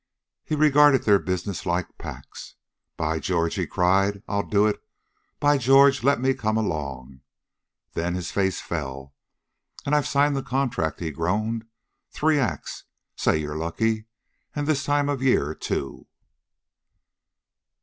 He regarded their business like packs. "By George!" he cried. "I'll do it! By George! Let me come along." Then his face fell. "And I've signed the contract," he groaned. "Three acts! Say, you're lucky. And this time of year, too."